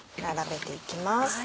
並べて行きます。